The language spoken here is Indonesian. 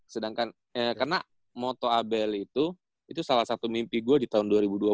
sedangkan karena moto abel itu itu salah satu mimpi gua di tahun dua ribu dua puluh